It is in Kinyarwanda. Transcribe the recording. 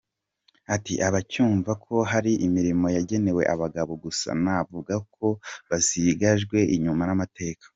Ati” Abacyumva ko hari imirimo yagenewe abagabo gusa navuga ko basigajwe inyuma n’amateka.